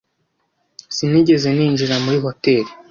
Sinigeze ninjira muri hoteri